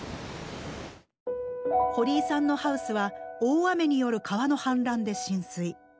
堀井さんのハウスは大雨による川の氾濫で浸水。